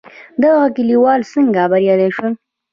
دغه کليوال څنګه بريالي شول؟